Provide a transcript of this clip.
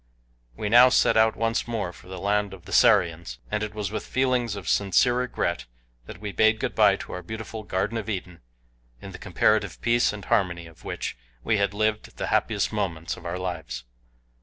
We now set out once more for the land of the Sarians, and it was with feelings of sincere regret that we bade good bye to our beautiful Garden of Eden, in the comparative peace and harmony of which we had lived the happiest moments of our lives.